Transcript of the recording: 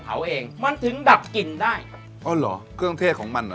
เผาเองมันถึงดับกลิ่นได้ครับอ๋อเหรอเครื่องเทศของมันเหรอ